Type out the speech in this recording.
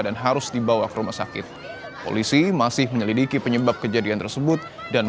dan harus dibawa ke rumah sakit polisi masih menyelidiki penyebab kejadian tersebut dan